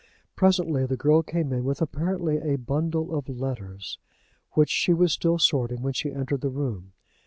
Presently the girl came in with apparently a bundle of letters, which she was still sorting when she entered the room.